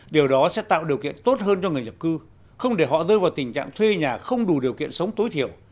điều đó sẽ tạo điều kiện tốt hơn cho người nhập cư không để họ rơi vào tình trạng thuê nhà không đủ điều kiện sống tối thiểu